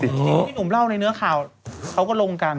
พี่หนุ่มเล่าในนักข่าวเขาก็ลงกัน